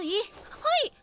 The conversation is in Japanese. はい！